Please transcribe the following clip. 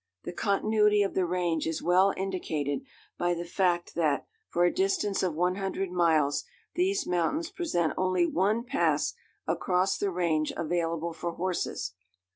The continuity of the range is well indicated by the fact that, for a distance of one hundred miles, these mountains present only one pass across the range available for horses.